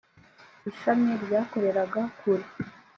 ishami ryakoreraga kure.